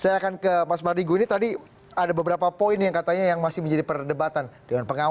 saya akan ke mas mardigu ini tadi ada beberapa poin yang katanya yang masih menjadi perdebatan dewan pengawas